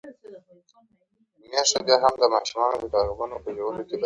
هلته پر اوسېدونکو خدای لورينې کړي دي.